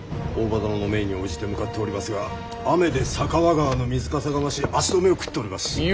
大庭殿の命に応じて向かっておりますが雨で酒匂川の水かさが増し足止めを食っております。